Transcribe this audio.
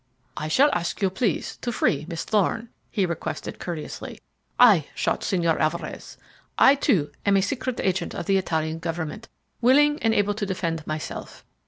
"I shall ask you, please, to free Miss Thorne," he requested courteously. "I shot Señor Alvarez. I, too, am a secret agent of the Italian government, willing and able to defend myself.